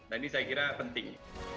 nah ini saya kira penting